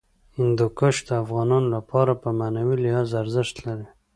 هندوکش د افغانانو لپاره په معنوي لحاظ ارزښت لري.